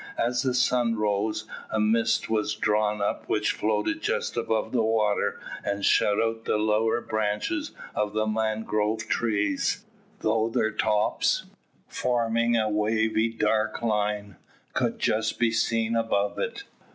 As the sun rose, a mist was drawn up which floated just above the water and shut out the lower branches of the mangrove trees, though their tops, forming a wavy dark line, could just be seen above it.